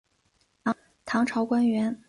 唐朝官员。